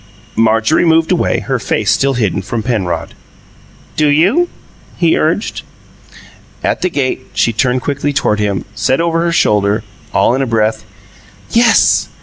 Marjorie moved away, her face still hidden from Penrod. "Do you?" he urged. At the gate, she turned quickly toward him, and said over her shoulder, all in a breath: "Yes!